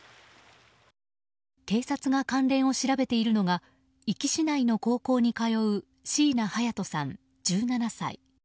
警察が関連を調べているのが壱岐市内の高校に通う椎名隼都さん、１７歳。